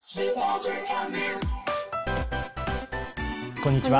こんにちは。